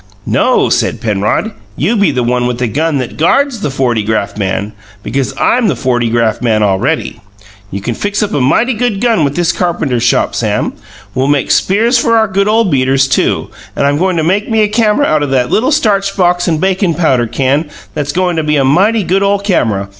"No," said Penrod; "you be the one with the gun that guards the fortygraph man, because I'm the fortygraph man already. You can fix up a mighty good gun with this carpenter shop, Sam. We'll make spears for our good ole beaters, too, and I'm goin' to make me a camera out o' that little starch box and a bakin' powder can that's goin' to be a mighty good ole camera.